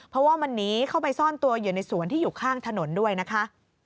เพราะว่ามันหนีเข้าไปซ่อนตัวอยู่ในสวนที่อยู่ข้างถนนด้วยนะคะ